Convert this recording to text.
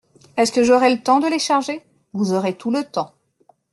Est-ce que j'aurai le temps de les charger ? Vous aurez tout le temps.